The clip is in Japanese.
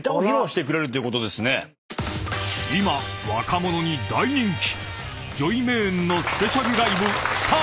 ［今若者に大人気！］